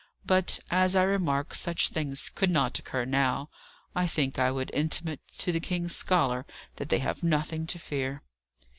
But, as I remark, such things could not occur now. I think I would intimate to the king's scholars that they have nothing to fear."